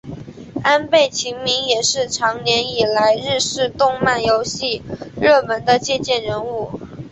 安倍晴明也是长年以来日式动漫游戏热门的借鉴人物。